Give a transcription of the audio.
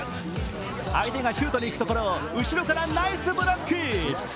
相手がシュートにいくところを後ろからナイスブロック。